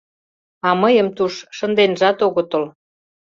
— А мыйым туш шынденжат огытыл!